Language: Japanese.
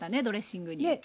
ドレッシングに。